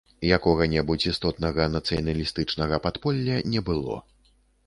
Якога-небудзь істотнага нацыяналістычнага падполля не было.